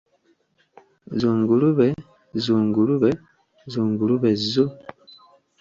Zzungulube zzungulube zzungulube zzu.